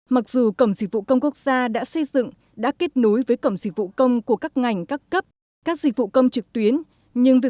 mặc dù cổng dịch vụ công quốc gia đã xây dựng đã kết nối với cổng dịch vụ công của các ngành các cấp các dịch vụ công trực tuyến